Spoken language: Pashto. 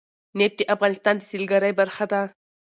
نفت د افغانستان د سیلګرۍ برخه ده.